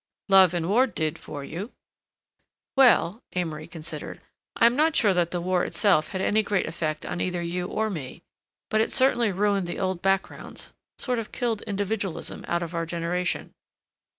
"Love and war did for you." "Well," Amory considered, "I'm not sure that the war itself had any great effect on either you or me—but it certainly ruined the old backgrounds, sort of killed individualism out of our generation."